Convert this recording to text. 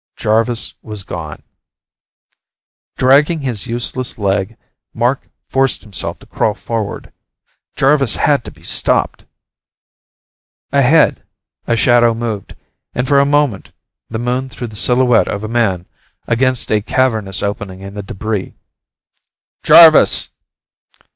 Jarvis was gone. Dragging his useless leg, Mark forced himself to crawl forward. Jarvis had to be stopped. Ahead, a shadow moved, and for a moment the moon threw the silhouette of a man against a cavernous opening in the debris. "Jarvis!"